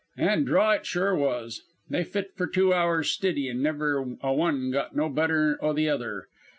"An' draw it sure was. They fit for two hours stiddy an' never a one got no better o' the other.